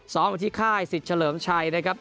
มาที่ค่ายสิทธิ์เฉลิมชัยนะครับ